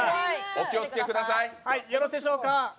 お気をつけください。